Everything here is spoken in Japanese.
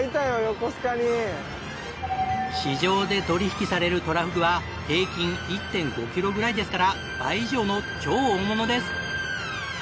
市場で取引されるトラフグは平均１．５キロぐらいですから倍以上の超大物です！